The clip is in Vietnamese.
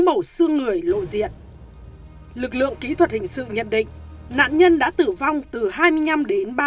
màu xương người lộ diện lực lượng kỹ thuật hình sự nhận định nạn nhân đã tử vong từ hai mươi năm đến ba mươi